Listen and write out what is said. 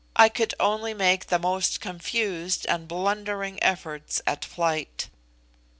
I could only make the most confused and blundering efforts at flight.